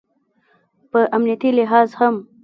په امنیتي لحاظ هم